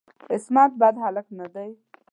عصمت بد هلک نه دی.